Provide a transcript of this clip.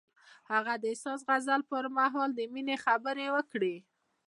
هغه د حساس غزل پر مهال د مینې خبرې وکړې.